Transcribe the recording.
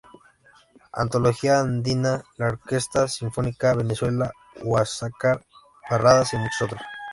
Antología Andina, la Orquesta Sinfónica Venezuela, Huáscar Barradas y muchos otros.